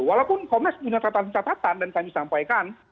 walaupun komnas punya catatan catatan dan kami sampaikan